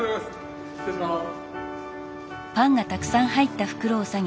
失礼します。